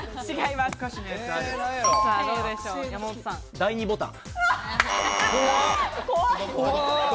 第２ボタン。